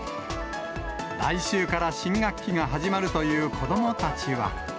来週から新学期が始まるという子どもたちは。